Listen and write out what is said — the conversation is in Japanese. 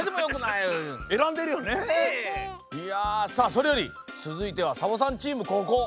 いやさあそれよりつづいてはサボさんチームこうこう。